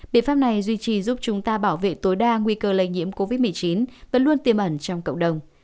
biện pháp này duy trì giúp chúng ta bảo vệ tối đa nguy cơ lây nhiễm covid một mươi chín vẫn luôn tiềm ẩn trong cộng đồng